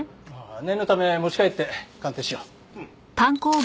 念のため持ち帰って鑑定しよう。